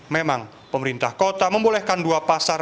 memang pemerintah kota membolehkan dua pasar